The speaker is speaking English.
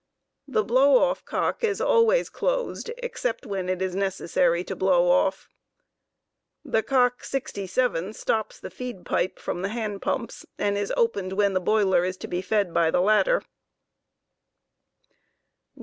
The blow off cock 46 is always closed except when it is necessary to blpw off. The cock 67 stops the feed pipe from the hand pumps, and is opened when the boiler is to be fed by the latter. 169.